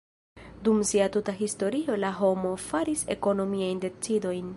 Dum sia tuta historio la homo faris ekonomiajn decidojn.